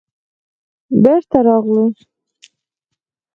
بېرته راغلو.